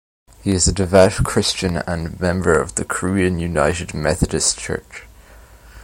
He is a devout Christian and member of the Korean United Methodist Church.